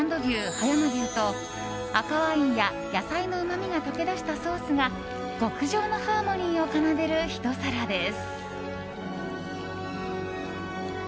葉山牛と赤ワインや野菜のうまみが溶け出したソースが極上のハーモニーを奏でるひと皿です。